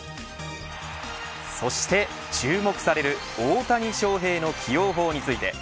そして注目される大谷翔平の起用法について。